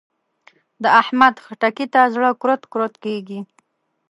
د احمد؛ خټکي ته زړه کورت کورت کېږي.